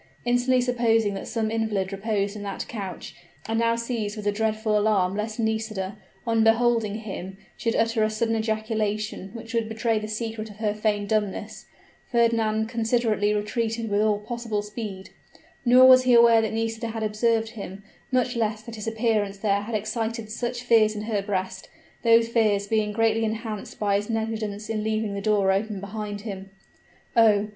Instantly supposing that some invalid reposed in that couch, and now seized with a dreadful alarm lest Nisida, on beholding him, should utter a sudden ejaculation which would betray the secret of her feigned dumbness, Fernand considerately retreated with all possible speed: nor was he aware that Nisida had observed him, much less that his appearance there had excited such fears in her breast, those fears being greatly enhanced by his negligence in leaving the door open behind him. Oh!